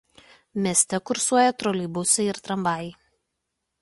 Mieste kursuoja troleibusai ir tramvajai.